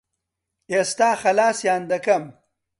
ئێستا خەلاسیان دەکەم.